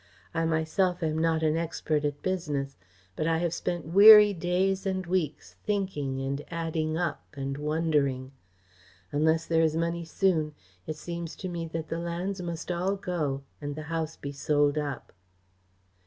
I myself am not an expert at business, but I have spent weary days and weeks thinking and adding up and wondering. Unless there is money soon, it seems to me that the lands must all go, and the house be sold up."